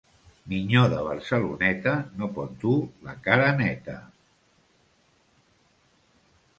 Minyó de Barceloneta no pot dur la cara neta.